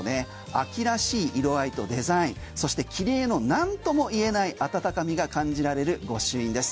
秋らしい色合いとデザインそして切り絵のなんとも言えない温かみが感じられる御朱印です。